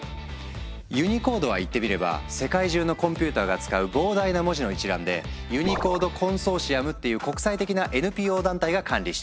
ユニコードは言ってみれば世界中のコンピュータが使う膨大な文字の一覧でユニコード・コンソーシアムっていう国際的なＮＰＯ団体が管理している。